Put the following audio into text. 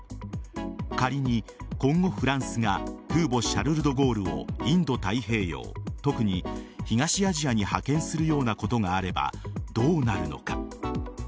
仮に今後、フランスが空母「シャルル・ド・ゴール」をインド太平洋特に東アジアに派遣するようなことがあればどうなるのか。